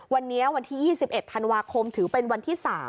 วันนี้วันที่๒๑ธันวาคมถือเป็นวันที่๓